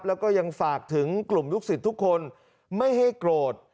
แล้วก็ยังฝากถึงกลุ่มลูกศิษย์ทุกคนไม่ให้โกรธ